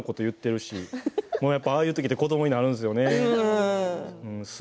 でもああいう時って子どもになるんですよね。